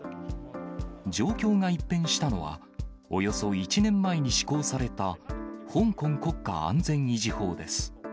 状況が一変したのは、およそ１年前に施行された香港国家安全維持法です。